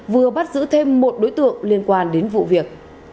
vừa bắt giữ thêm một đối tượng liên quan đến vụ việc